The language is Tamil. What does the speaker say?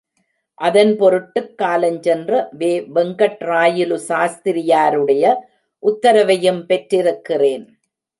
அதன் பொருட்டுக் காலஞ்சென்ற வே. வெங்கட்ராயலு சாஸ்திரி யாருடைய உத்தரவையும் பெற்றிருக்கிறேன்.